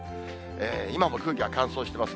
今も空気が乾燥しています。